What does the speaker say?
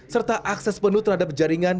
serta akses penuh terhadap jaringan